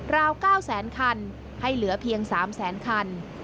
ราว๙๐๐๐๐๐คันให้เหลือเพียง๓๐๐๐๐๐คัน